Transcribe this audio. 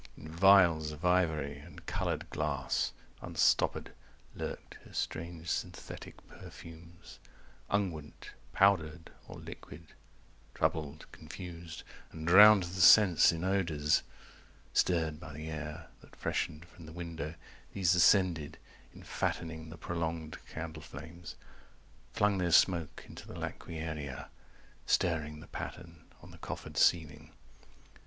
In vials of ivory and coloured glass Unstoppered, lurked her strange synthetic perfumes, Unguent, powdered, or liquid—troubled, confused And drowned the sense in odours; stirred by the air That freshened from the window, these ascended 90 In fattening the prolonged candle flames, Flung their smoke into the laquearia, Stirring the pattern on the coffered ceiling.